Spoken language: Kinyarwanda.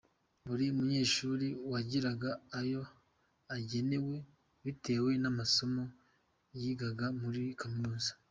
Buri munyeshuri yagiraga ayo agenewe bitewe n’amasomo yigaga muri kaminuza.